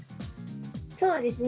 そうですね。